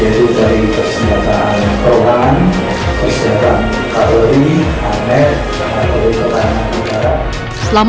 yaitu dari kesenggaraan perumahan kesenggaraan katolik armet atau kebahan negara